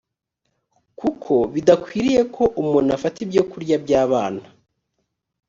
kuko bidakwiriye ko umuntu afata ibyo kurya by’abana